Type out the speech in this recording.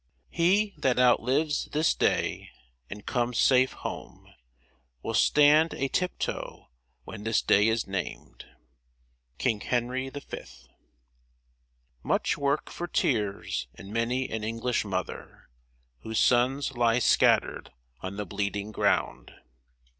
He that outlives this day and comes safe home, Will stand a tip toe when this day is named. KING HENRY V. Much work for tears in many an English mother, Whose sons lie scattered on the bleeding ground.